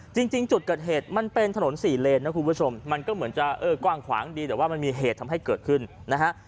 จริงจุดเกิดเหตุมันเป็นถนนสี่เลนนะคุณผู้ชมมันก็เหมือนจะเออกว้างขวางดีแต่ว่ามันมีเหตุทำให้เกิดขึ้นนะฮะ